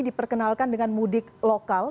diperkenalkan dengan mudik lokal